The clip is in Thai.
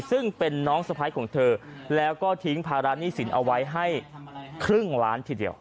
ซึ่งเป็นน้องสะพ้ายของเธอแล้วก็ทิ้งภาระหนี้สินเอาไว้ให้ครึ่งล้านทีเดียว